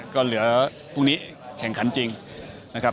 ก็เหลือพรุ่งนี้แข่งขันจริงนะครับ